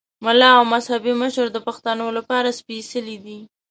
ملا او مذهبي مشر د پښتون لپاره سپېڅلی دی.